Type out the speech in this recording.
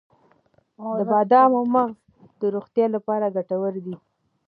د بادامو مغز د روغتیا لپاره ګټور دی.